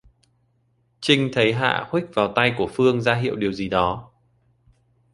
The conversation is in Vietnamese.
Trinh còn thấy Hạ huých vào tay của Phương ra hiệu điều gì đó